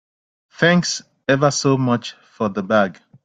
Thanks ever so much for the bag.